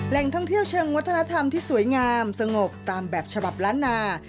ท่องเที่ยวเชิงวัฒนธรรมที่สวยงามสงบตามแบบฉบับล้านนา